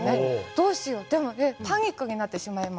どうしようでもパニックになってしまいます。